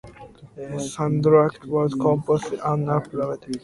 Soundtrack was composed by Anup Rubens.